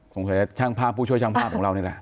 สงเกษช่างพลักษณ์ผู้ช่วยช่างพลักษณ์ของเราเนี้ยแหละ